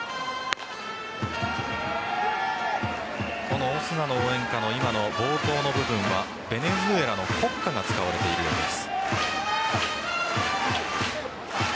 このオスナの応援歌の今の冒頭の部分はベネズエラの国歌が使われているようなんです。